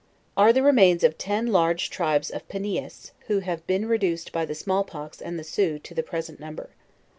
Are the remains of ten large tribes of Panias, who have been reduced by the small pox and the Sioux to the present number.